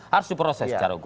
harus diproses secara hukum